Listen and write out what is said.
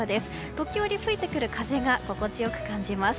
時折吹いてくる風が心地良く感じます。